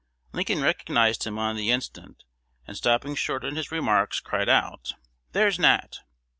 Lincoln recognized him on the instant, and, stopping short in his remarks, cried out, "There's Nat!"